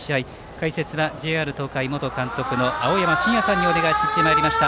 解説はＪＲ東海元監督の青山眞也さんにお願いしてまいりました。